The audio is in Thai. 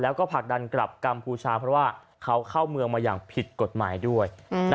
แล้วก็ผลักดันกลับกัมพูชาเพราะว่าเขาเข้าเมืองมาอย่างผิดกฎหมายด้วย